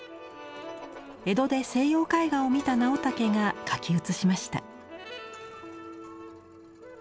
江戸で西洋絵画を見た直武が描き写しました。